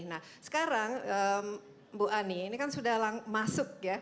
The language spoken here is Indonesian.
nah sekarang bu ani ini kan sudah masuk ya